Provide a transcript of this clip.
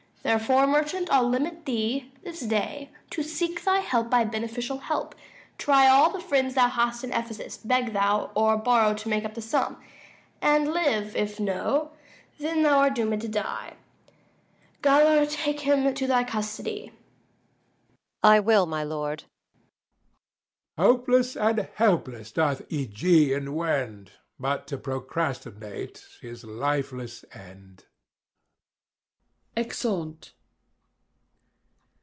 150 Therefore, merchant, I'll limit thee this day To seek thy help by beneficial help: Try all the friends thou hast in Ephesus; Beg thou, or borrow, to make up the sum, And live; if no, then thou art doom'd to die. 155 Gaoler, take him to thy custody. Gaol. I will, my lord. Æge. Hopeless and helpless doth Ægeon wend, But to procrastinate his lifeless end. [_Exeunt.